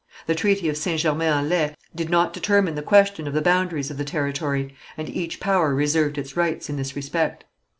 The treaty of St. Germain en Laye did not determine the question of the boundaries of the territory, and each power reserved its rights in this respect.